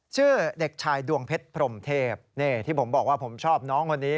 ชื่อเด็กชายดวงเพชรพรมเทพนี่ที่ผมบอกว่าผมชอบน้องคนนี้